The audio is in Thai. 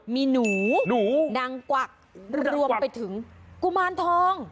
มีหนูหนูนางกวักรวมไปถึงกุมารทอง